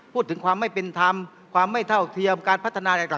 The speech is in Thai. พูดถึงความไม่เป็นธรรมความไม่เท่าเทียมการพัฒนาใด